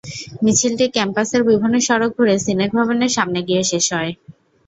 মিছিলটি ক্যাম্পাসের বিভিন্ন সড়ক ঘুরে সিনেট ভবনের সামনে গিয়ে শেষ হয়।